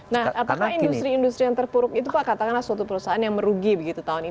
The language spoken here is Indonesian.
nah apakah industri industri yang terpuruk itu pak katakanlah suatu perusahaan yang merugi begitu tahun ini